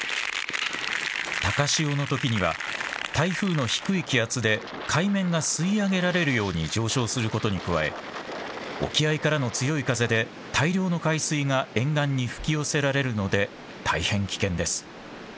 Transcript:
高潮のときには台風の低い気圧で海面が吸い上げられるように上昇することに加え沖合からの強い風で大量の海水が沿岸に吹き寄せられるので大変危険です。